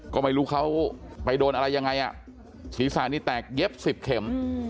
ก็ไม่รู้เขาไปโดนอะไรยังไงอ่ะศีรษะนี่แตกเย็บสิบเข็ม